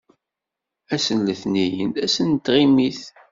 Ass n letniyen d ass n tɣimit.